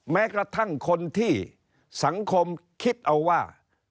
แม้กระทั่งคนที่สังคมคิดเอาว่า